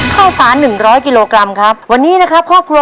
ข้าวสารหนึ่งร้อยกิโลกรัมครับวันนี้นะครับครอบครัว